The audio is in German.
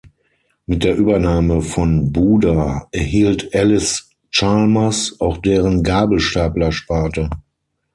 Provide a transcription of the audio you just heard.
Mit der Übernahme von Buda erhielt Allis-Chalmers auch deren Gabelstapler-Sparte.